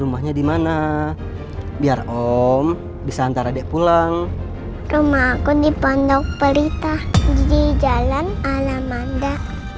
rumahnya dimana biar om bisa antar adik pulang rumah aku dipantau perintah di jalan alamanda